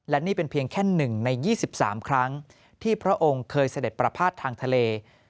และนี่เป็นเพียงแค่๑ใน๒๓ครั้งที่พระองค์เคยเสด็จประพาททางทะเล